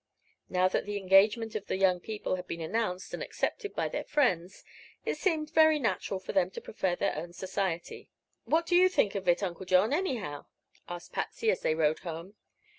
Now that the engagement of the young people had been announced and accepted by their friends, it seemed very natural for them to prefer their own society. "What do you think of it, Uncle John, anyhow?" asked Patsy, as they rode home.